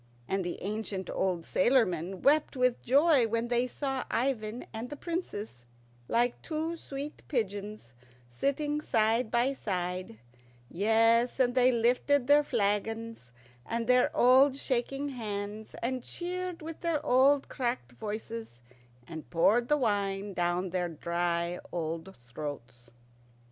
And the ancient old sailormen wept with joy when they saw Ivan and the Princess, like two sweet pigeons, sitting side by side; yes, and they lifted their flagons with their old shaking hands, and cheered with their old cracked voices, and poured the wine down their dry old throats.